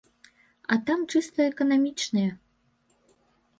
А там чыста эканамічныя.